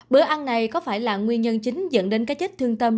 bữa ăn này có phải là nguyên nhân chính dẫn đến cái chết thương tâm